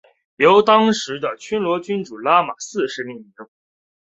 由当时的暹罗君主拉玛四世命名。